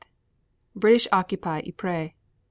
British occupy Ypres.